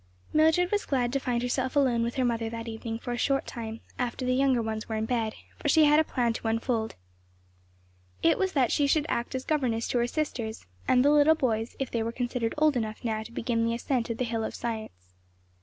Mildred was glad to find herself alone with her mother that evening for a short time, after the younger ones were in bed; for she had a plan to unfold. It was that she should act as governess to her sisters, and the little boys, if they were considered old enough now to begin the ascent of the hill of science.